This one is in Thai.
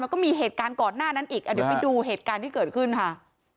แล้วก็มีเหตุการณ์ก่อนหน้านั้นอีกเดี๋ยวไปดูเหตุการณ์ที่เกิดขึ้นค่ะ